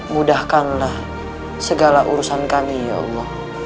mudahkanlah segala urusan kami ya allah